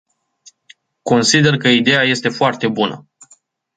Consider că ideea este foarte bună.